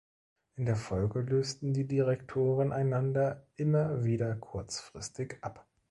In der Folge lösten die Direktoren einander immer wieder kurzfristig ab.